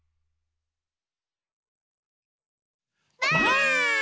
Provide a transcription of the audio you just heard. ばあっ！